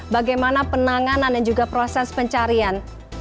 bagaimana penanganan dan juga proses pencarian